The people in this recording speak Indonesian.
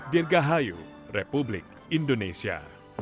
dirgahayu republik indonesia